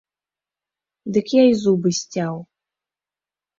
Дык я і зубы сцяў.